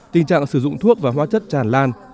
tình trạng sử dụng thuốc và hóa chất tràn lan